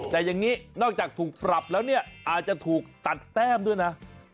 แต่อย่างนี้นอกจากถูกปรับแล้วเนี่ยอาจจะถูกตัดแต้มด้วยนะ